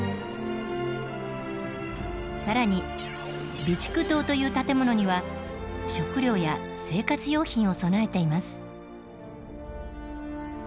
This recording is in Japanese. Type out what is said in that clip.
更に「備蓄棟」という建物には食料や生活用品を備えています。